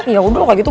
yaudah gak gitu